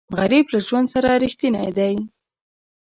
غریب له ژوند سره رښتینی دی